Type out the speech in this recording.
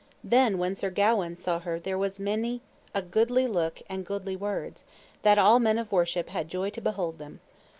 Then when Sir Gawaine saw her there was many a goodly look and goodly words, that all men of worship had joy to behold them.